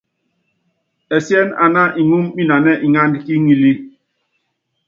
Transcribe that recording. Ɛsien ana ŋúm minanɛ ŋánd ki ŋilí.